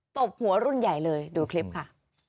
ตบหัวรุ่นใหญ่เลยดูคลิปค่ะ